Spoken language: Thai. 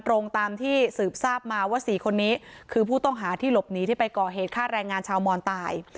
ตรงตามที่สืบทราบมาว่า๔คนนี้คือผู้ต้องหาที่หลบหนีที่ไปก่อเหตุฆ่าแรงงานชาวมอนตาย